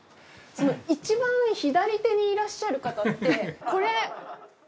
いちばん左手にいらっしゃる方ってこれ。